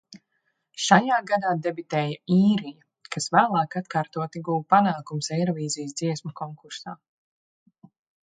Šajā gadā debitēja Īrija, kas vēlāk atkārtoti guva panākumus Eirovīzijas dziesmu konkursā.